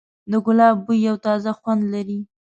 د ګلاب بوی یو تازه خوند لري.